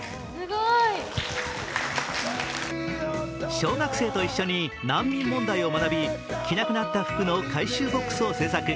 小学生と一緒に難民問題を学び着なくなった服の回収ボックスを制作。